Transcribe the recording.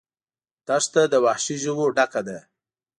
دښته له وحشي ژویو ډکه ده.